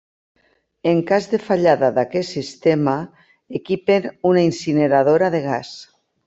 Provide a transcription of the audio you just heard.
En cas de fallada d'aquest sistema equipen una incineradora de gas.